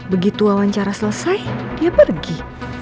begitu wawancara selesai dia pergi